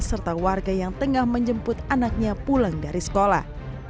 serta warga yang tengah menjemput anaknya pulang dari sekolah